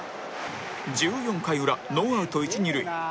１４回裏ノーアウト一二塁